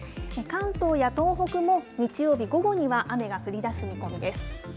関東や東北も日曜日午後には雨が降りだす見込みです。